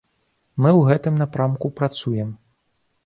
Мы ў гэтым напрамку працуем.